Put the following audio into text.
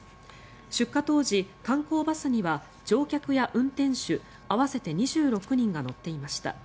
出火当時、観光バスには乗客や運転手合わせて２６人が乗っていました。